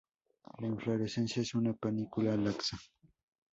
La inflorescencia es una panícula laxa.